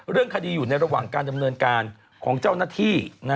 เรื่องคดีอยู่ในระหว่างการดำเนินการของเจ้าหน้าที่